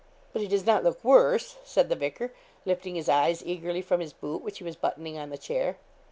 'But he does not look worse?' said the vicar, lifting his eyes eagerly from his boot, which he was buttoning on the chair.